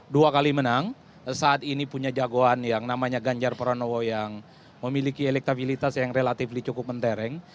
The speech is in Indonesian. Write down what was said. dua kali menang saat ini punya jagoan yang namanya ganjar pranowo yang memiliki elektabilitas yang relatif cukup mentereng